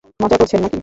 মজা করছেন না-কি?